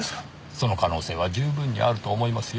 その可能性は十分にあると思いますよ。